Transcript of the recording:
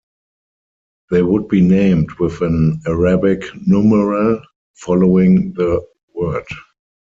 They would be named with an Arabic numeral following the word.